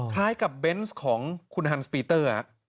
คล้ายกับเบนส์ของคุณฮันสปีเตอร์